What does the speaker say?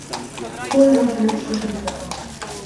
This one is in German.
Polen unternimmt Schritte dieser Art.